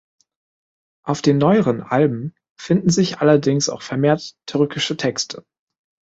Auf den neueren Alben finden sich allerdings auch vermehrt türkische Texte.